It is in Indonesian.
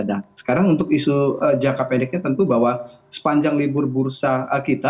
dan sekarang untuk isu jangka pendeknya tentu bahwa sepanjang libur bursa